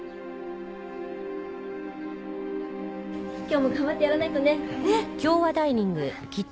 今日も頑張ってやらないとね。